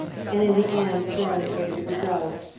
and in the end throwing away the result!